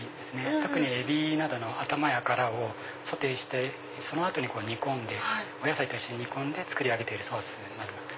特にエビなどの頭や殻をソテーしてその後にお野菜と煮込んで作り上げているソース。